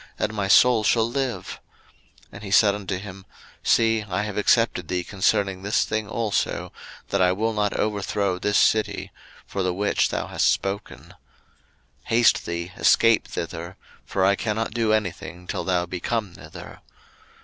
and my soul shall live. 01:019:021 And he said unto him, See, I have accepted thee concerning this thing also, that I will not overthrow this city, for the which thou hast spoken. 01:019:022 Haste thee, escape thither; for I cannot do anything till thou be come thither.